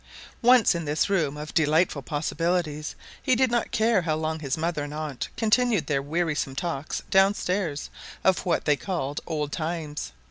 Once in this room of delightful possibilities, he did not care how long his mother and aunt continued their wearisome talks downstairs of what they called "old times."